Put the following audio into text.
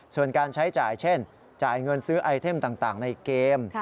ส่วนการใช้จ่ายเช่นจ่ายเงินซื้อไอเทมต่างในเกม